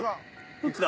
どっちだ？